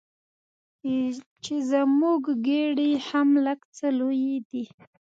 چې زموږ ګېډې هم لږ څه لویې دي.